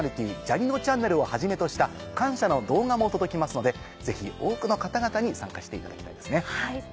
「ジャにのちゃんねる」をはじめとした感謝の動画も届きますのでぜひ多くの方々に参加していただきたいですね。